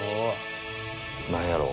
何やろう？